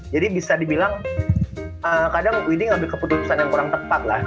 jadi bisa dibilang kadang wd ngambil keputusan yang kurang tepat lah